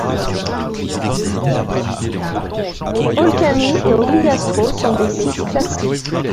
Olcani et Ogliastro sont des sites classés.